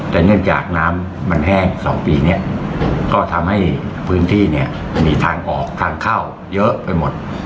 แต่เนื่องจากน้ำมันแห้ง๒ปีเนี่ยก็ทำให้พื้นที่เนี่ยมีทางออกทางเข้าเยอะไปหมด